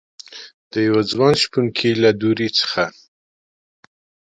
دیوه ځوان شپونکي له دروي څخه